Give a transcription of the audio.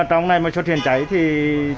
nếu còn nghĩ tới chuyện đó thì sợ lắm